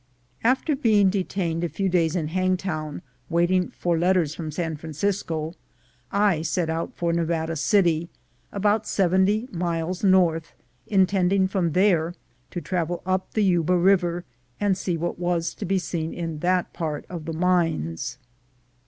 After being detained a few daj's in Hangtown waiting for letters from San Francisco, I set out for Nevada City, about seventy' miles north, intending from there to travel up the Yuba River, and see what was to be seen in that part of the mines.